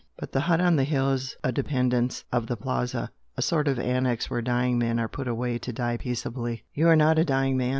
But the hut on the hill is a 'dependence' of the Plaza a sort of annex where dying men are put away to die peaceably " "YOU are not a dying man!"